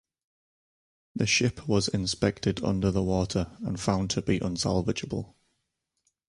The ship was inspected under the water and found to be unsalvageable.